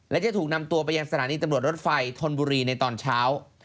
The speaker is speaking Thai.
และจะถูกนำตัวไปยังสถานีตำรวจรถไฟธนบุรีในตอนเช้า